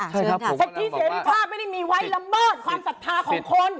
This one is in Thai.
เสรีภาพไม่ได้มีไว้ลำเบิดความสัทธาของคน